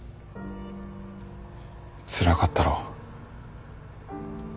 つらかったろ？